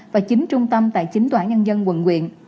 và chín trung tâm tài chính tòa án nhân dân quận quyện